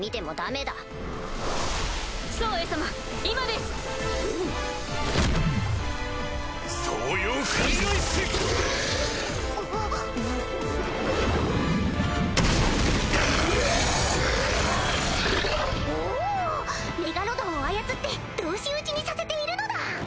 メガロドンを操って同士打ちにさせているのだ！